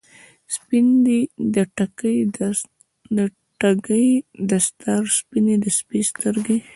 سپین دی د ټګۍ دستار، سپینې د سپي سترګی دي